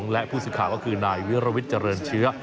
และผู้สื่อข่าวก็คือนายวิรวิทย์เจริญเชื้อ